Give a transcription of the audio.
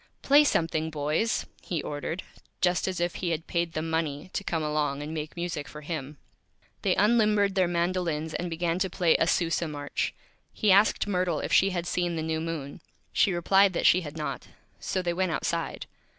"Play something, Boys," he Ordered, just as if he had paid them Money to come along and make Music for him. They unlimbered their Mandolins and began to play a Sousa March. He asked Myrtle if she had seen the New Moon. She replied that she had not, so they went Outside.